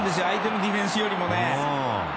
相手のディフェンスよりも。